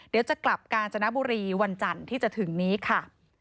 เดี๋ยวจะกลับกาญจนบุรีวันจันทร์ที่จะถึงนี้ค่ะ